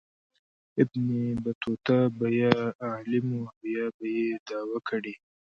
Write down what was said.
ابن بطوطه به یا عالم و او یا به یې دعوه کړې.